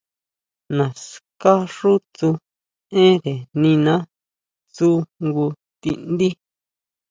Naská xu tsú énnre niná tsú jngu ti ndí.